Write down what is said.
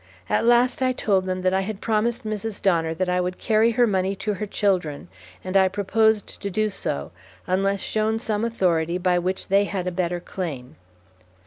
At last I told them that I had promised Mrs. Donner that I would carry her money to her children, and I proposed to do so, unless shown some authority by which they had a better claim.